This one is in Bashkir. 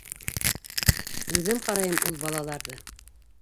Үҙем ҡарайым ул балаларҙы.